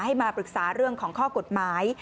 ให้มาปรึกษาเรื่องของข้อกฎหมาย